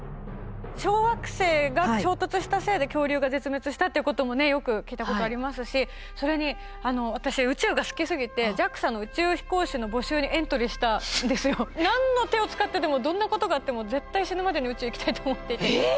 小惑星が衝突したせいで恐竜が絶滅したっていうこともねよく聞いたことありますしそれに私宇宙が好きすぎて何の手を使ってでもどんなことがあっても絶対死ぬまでに宇宙行きたいって思っていて。